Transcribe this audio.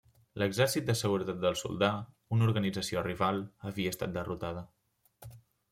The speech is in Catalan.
L'Exèrcit de Seguretat del Soldà, una organització rival, havia estat derrotada.